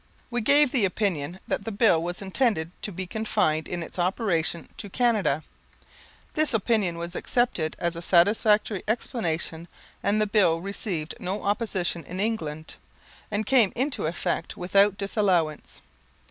We gave the opinion that the Bill was intended to be confined in its operation to Canada. This opinion was accepted as a satisfactory explanation and the Bill received no opposition in England and came into effect without disallowance.